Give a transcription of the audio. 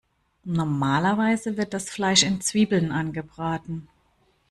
Normalerweise wird das Fleisch in Zwiebeln angebraten.